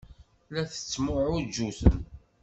La tettemɛujjutem.